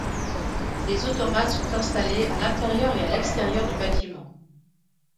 Des automates sont installés à l'intérieur et à l’extérieur du bâtiment.